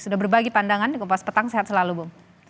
sudah berbagi pandangan kompas petang sehat selalu bu